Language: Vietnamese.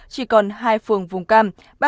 chỉ còn hai phường vùng cam